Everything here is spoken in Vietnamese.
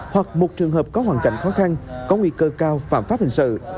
hoặc một trường hợp có hoàn cảnh khó khăn có nguy cơ cao phạm pháp hình sự